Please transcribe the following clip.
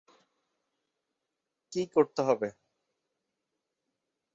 কী করতে হবে?